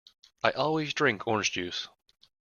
I always drink orange juice.